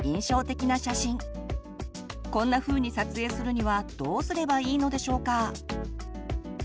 こんなふうに撮影するにはどうすればいいのでしょうか？